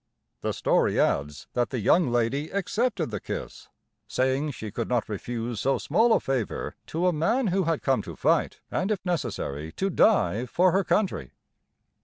The story adds that the young lady accepted the kiss, saying she could not refuse so small a favor to a man who had come to fight, and if necessary, to die, for her country.